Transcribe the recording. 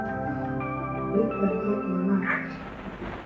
witabye Imana